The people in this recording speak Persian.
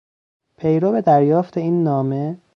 پیرو دریافت این نامه...